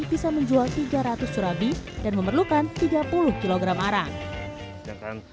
bisa menjual tiga ratus surabi dan memerlukan tiga puluh kg arang